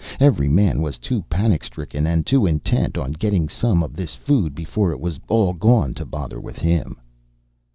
Every man was too panic stricken, and too intent on getting some of this food before it was all gone to bother with him.